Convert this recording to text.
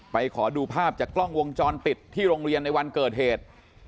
ขอดูภาพจากกล้องวงจรปิดที่โรงเรียนในวันเกิดเหตุ